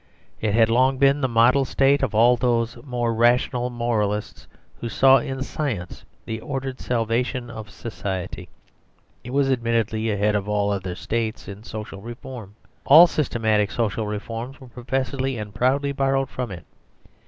It had long been the model State of all those more rational moralists who saw in science the ordered salvation of society. It was admittedly ahead of all other States in social reform. All the systematic social reforms were professedly and proudly borrowed from it.